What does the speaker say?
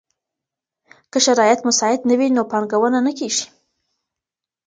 که شرايط مساعد نه وي نو پانګونه نه کيږي.